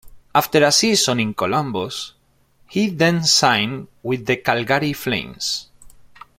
After a season in Columbus, he then signed with the Calgary Flames.